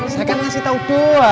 saya kan masih tau doang